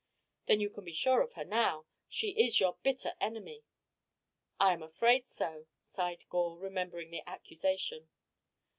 "Then you can be sure of her now. She is your bitter enemy." "I am afraid so," sighed Gore, remembering the accusation.